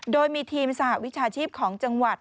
โดยมีทีมสหวิชาชีพของจังหวัด